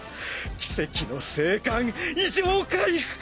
奇跡の生還異常回復！